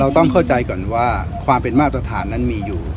ต้องเข้าใจก่อนว่าความเป็นมาตรฐานนั้นมีอยู่